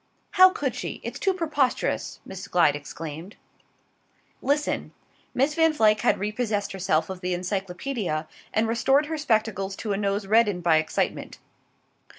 "How could she? It's too preposterous," Miss Glyde exclaimed. "Listen." Miss Van Vluyck had repossessed herself of the Encyclopaedia, and restored her spectacles to a nose reddened by excitement.